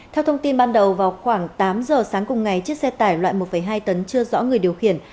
theo thông tin ban đầu vào khoảng tám giờ sáng cùng ngày chiếc xe tải loại một hai tấn chưa rõ người điều khiển